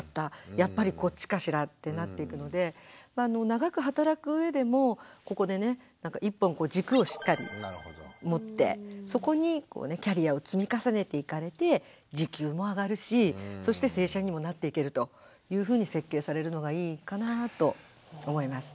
やっぱりこっちかしら」ってなっていくので長く働く上でもここでね１本こう軸をしっかり持ってそこにキャリアを積み重ねていかれて時給も上がるしそして正社員にもなっていけるというふうに設計されるのがいいかなと思います。